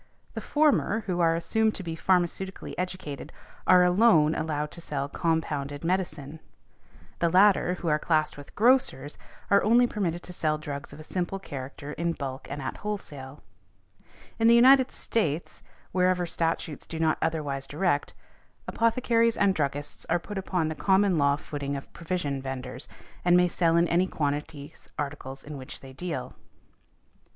The former, who are assumed to be pharmaceutically educated, are alone allowed to sell compounded medicine, the latter who are classed with grocers are only permitted to sell drugs of a simple character in bulk and at wholesale . In the United States, wherever statutes do not otherwise direct, apothecaries and druggists are put upon the common law footing of provision vendors, and may sell in any quantities articles in which they deal.